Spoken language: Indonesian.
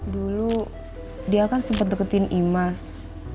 dulu dia kan sempat deketin imas